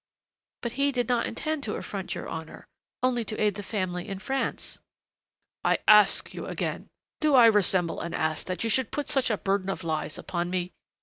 "But he did not intend to affront your honor only to aid the family in France " "I ask you again, do I resemble an ass that you should put such a burden of lies upon me?